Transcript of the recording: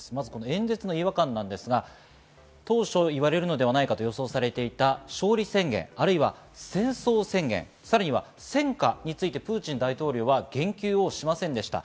演説の違和感ですが、当初言われるのではないかと予想されていた勝利宣言、あるいは戦争宣言、さらに戦果についてプーチン大統領は言及しませんでした。